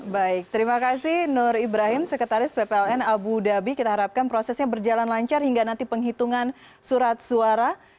baik terima kasih nur ibrahim sekretaris ppln abu dhabi kita harapkan prosesnya berjalan lancar hingga nanti penghitungan surat suara